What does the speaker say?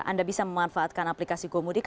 anda bisa memanfaatkan aplikasi gomudik